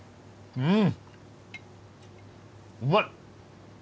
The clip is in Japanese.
うん！